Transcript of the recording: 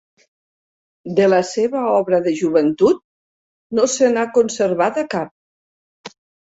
De la seva obra de joventut no se n'ha conservada cap.